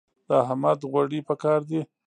د احمد غوړي په کار دي.